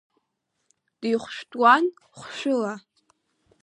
Дихәышәтәуан, хәшәыла.